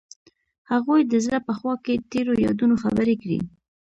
هغوی د زړه په خوا کې تیرو یادونو خبرې کړې.